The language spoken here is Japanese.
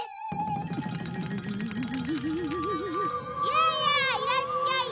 やあやあいらっしゃい！